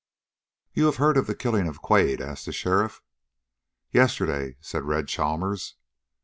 "You've heard of the killing of Quade?" asked the sheriff. "Yesterday," said Red Chalmers.